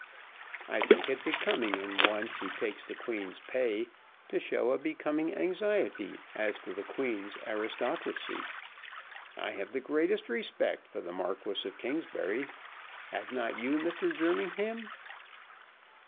"I think it becoming in one who takes the Queen's pay to show a becoming anxiety as to the Queen's aristocracy. I have the greatest respect for the Marquis of Kingsbury. Have not you, Mr. Jerningham?"